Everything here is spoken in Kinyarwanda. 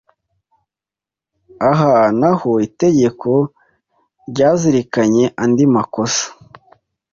Aha na ho itegeko ryazirikanye andi makosa